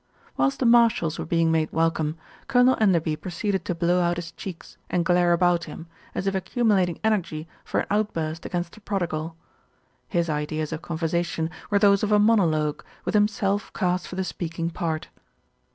Whilst the Marshalls were being made welcome, LITTLE BILSTEAD SITS IN JUDGMENT 109 Colonel Enderby proceeded to blow out his cheeks and glare about him, as if accumulating energy for an out burst against the prodigal. His ideas of conversation were those of a monologue, with himself cast for the speaking part.